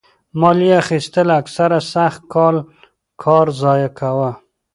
مالیه اخیستل اکثره سخت کال کار ضایع کاوه.